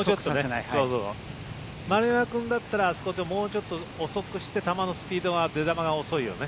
丸山君だったらあそこで、もうちょっと遅くして球のスピードは出球が遅いよね。